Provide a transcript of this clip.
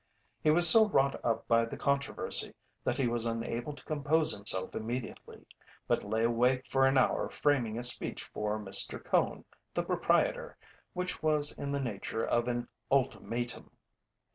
He was so wrought up by the controversy that he was unable to compose himself immediately, but lay awake for an hour framing a speech for Mr. Cone, the proprietor, which was in the nature of an ultimatum.